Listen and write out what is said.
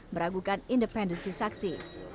meragukan independensi saksi